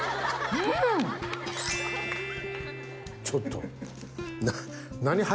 ちょっと。